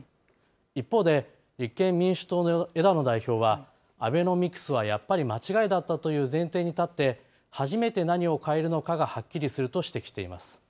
一方で、立憲民主党の枝野代表は、アベノミクスはやっぱり間違いだったという前提に立って初めて何を変えるのかがはっきりすると指摘しています。